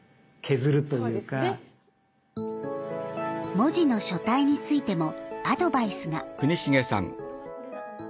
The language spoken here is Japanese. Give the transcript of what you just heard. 文字の書体についてもアドバイスが。